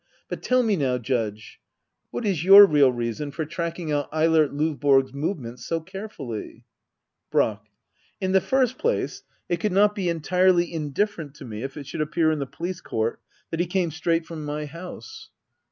"] But tell me now. Judge — what is your real reason for tracking out Eilert Lovborg's movements so carefully ? Brack. In the first place, it could not be entirely indifferent to me if it should appear in the police court that he came straight from my house.